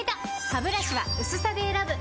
ハブラシは薄さで選ぶ！